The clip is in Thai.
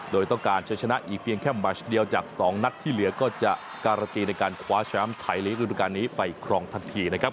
โดยต้องการจะชนะอีกเพียงแค่แมชเดียวจาก๒นัดที่เหลือก็จะการันตีในการคว้าแชมป์ไทยลีกฤดูการนี้ไปครองทันทีนะครับ